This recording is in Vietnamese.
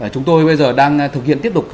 chúng tôi bây giờ đang thực hiện tiếp tục